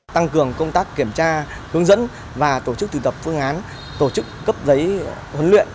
tăng cường công tác kiểm tra hướng dẫn và tổ chức tùy tập phương án tổ chức cấp giấy huấn luyện